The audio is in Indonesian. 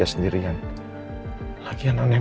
sendirian lagian aneh